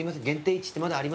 １ってまだあります？